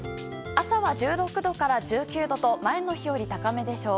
朝は１６度から１９度と前の日より高めでしょう。